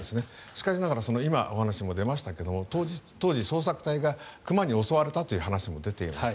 しかしながら今、お話にも出ましたが当時、捜索隊が熊に襲われたという話も出ています。